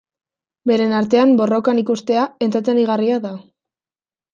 Beren artean borrokan ikustea entretenigarria da.